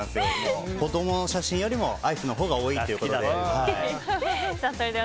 子供の写真よりアイスのほうが多いってことで。